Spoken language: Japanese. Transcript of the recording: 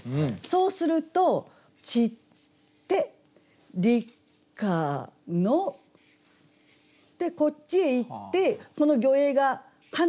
そうすると「散つて立夏の」。でこっちへ行ってこの「魚影」が「か